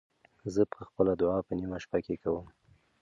زه به خپله دعا په نیمه شپه کې کوم.